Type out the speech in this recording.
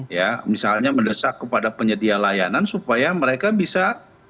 ya misalnya mendesak kepada penyedia layanan supaya mereka bisa